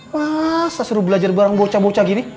masa suruh belajar barang bocah bocah gini